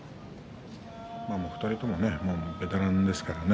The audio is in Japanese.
２人ともベテランですからね。